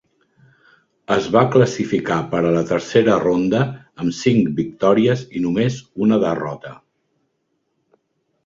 Es va classificar per a la Tercera ronda amb cinc victòries i només una derrota.